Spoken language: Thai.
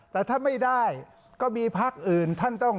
แต่ถ้าไม่ได้ก็มีพักอื่นท่านต้อง